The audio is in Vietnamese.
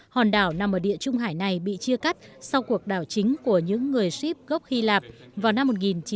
hòn đảo nằm ở địa trung hải này bị chia cắt sau cuộc đảo chính của những người shib gốc hy lạp vào năm một nghìn chín trăm bảy mươi